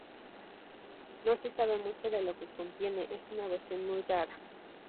No se sabe mucho de lo que contiene, es una versión muy rara.